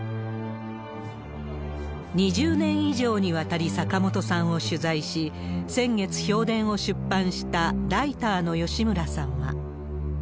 ２０年以上にわたり坂本さんを取材し、先月、評伝を出版したライターの吉村さんは。